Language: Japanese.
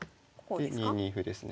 で２二歩ですね。